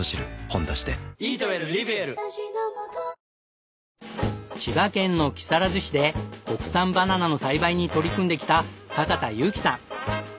「ほんだし」で千葉県の木更津市で国産バナナの栽培に取り組んできた坂田悠樹さん。